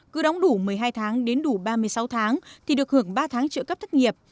cứ đóng đủ một mươi hai tháng đến đủ ba mươi sáu tháng thì được hưởng ba tháng trợ cấp thất nghiệp